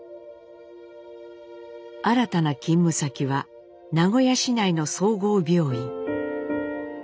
新たな勤務先は名古屋市内の総合病院。